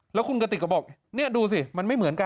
แล้วคุณกติกก็บอกนี่ดูสิมันไม่เหมือนกัน